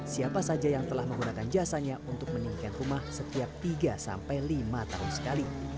siapa saja yang telah menggunakan jasanya untuk meninggikan rumah setiap tiga sampai lima tahun sekali